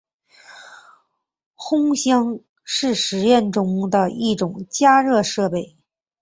烘箱是实验室中的一种加热设备。